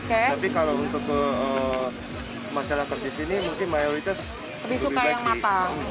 tapi kalau untuk masalah kerja di sini mungkin mayoritas lebih suka yang matang